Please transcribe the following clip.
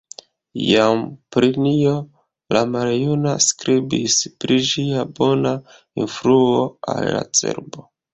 Jam Plinio la Maljuna skribis pri ĝia bona influo al la cerbo.